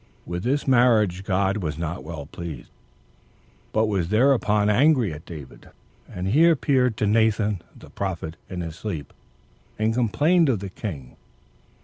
3. With this marriage God was not well pleased, but was thereupon angry at David; and he appeared to Nathan the prophet in his sleep, and complained of the king.